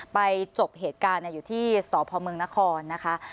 จบเหตุการณ์อยู่ที่สพเมืองนครนะคะ